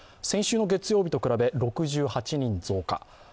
先週の月曜日と比べ６８人増加。